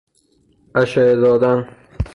اشعه دادن